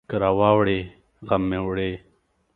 که راواړوي، غم مې وړي.